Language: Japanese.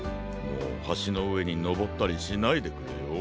もうはしのうえにのぼったりしないでくれよ。